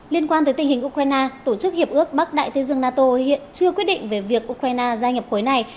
liên quan tới tình hình ukraine tổ chức hiệp ước bắc đại tây dương nato hiện chưa quyết định về việc ukraine gia nhập khối này